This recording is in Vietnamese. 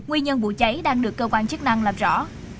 nguyên nhân vụ cháy đang được cơ quan chức năng làm rõ